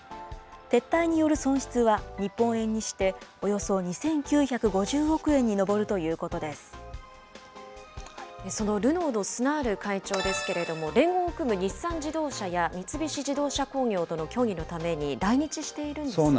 撤退による損失は日本円にしておよそ２９５０億円に上るというこそのルノーのスナール会長ですけれども、連合を組む日産自動車や三菱自動車工業との協議のたそうなんです。